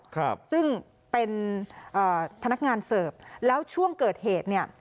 ครับซึ่งเป็นอ่าพนักงานเสิร์ฟแล้วช่วงเกิดเหตุเนี่ย